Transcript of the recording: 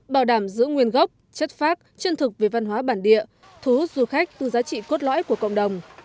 bảo đảm giữ nguyên gốc chất phát chân thực về văn hóa bản địa thu hút du khách từ giá trị cốt lõi của cộng đồng